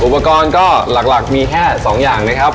อุปกรณ์ก็หลักมีแค่๒อย่างนะครับ